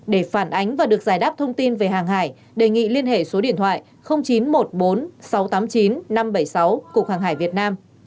để phản ánh và được giải đáp thông tin về hàng hải đề nghị liên hệ số điện thoại chín trăm một mươi bốn sáu trăm tám mươi chín năm trăm bảy mươi sáu cục hàng hải việt nam